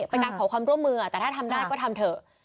เป็นการขอความร่วมมือแต่ถ้าทำได้ก็ทำเถอะ